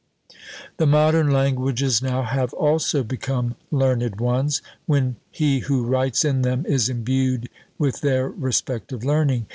The modern languages now have also become learned ones, when he who writes in them is imbued with their respective learning.